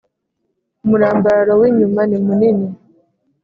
umurambararo w inyumanimunini